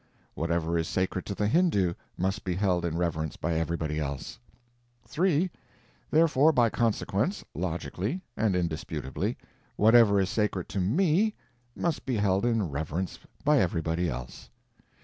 whatever is sacred to the Hindu must be held in reverence by everybody else; 3. therefore, by consequence, logically, and indisputably, whatever is sacred to me must be held in reverence by everybody else.